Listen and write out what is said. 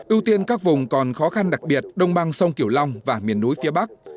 ưu tiên các vùng còn khó khăn đặc biệt đông bang sông kiểu long và miền núi phía bắc